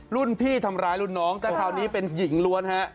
รุ่นพี่ทำร้ายรุ่นน้องแต่คราวนี้เป็นหญิงล้วนฮะ